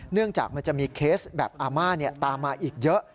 เนื่องจากมันจะมีเคสแบบอาม่าตามมาอีกเยอะ